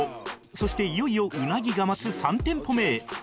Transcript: そしていよいよ鰻が待つ３店舗目へ